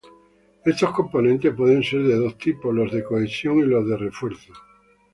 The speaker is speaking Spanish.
Estos componentes pueden ser de dos tipos: los de "cohesión" y los de "refuerzo".